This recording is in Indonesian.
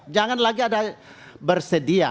jangan lagi ada bersedia